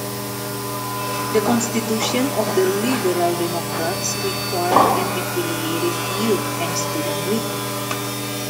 The constitution of the Liberal Democrats requires an affiliated youth and student wing.